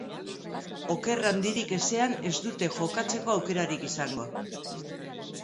Oker handirik ezean ez dute jokatzeko aukerarik izango.